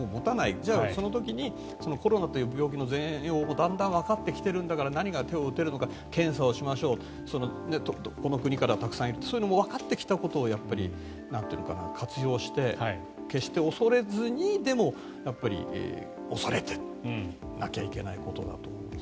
じゃあ、その時にコロナという病気の全容がだんだんわかってきてるんだから何が手を打てるのか検査をしましょうどこの国にたくさんいるとかそういうことがわかってきてそれらをやっぱり活用して決して恐れずにでも、恐れなきゃいけないことだと思います。